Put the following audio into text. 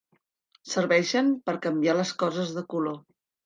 Serveixen per canviar les coses de color.